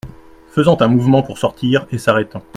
Faisant un mouvement pour sortir et s’arrêtant.